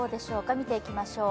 見ていきましょう。